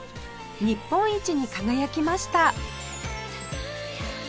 日本一に輝きました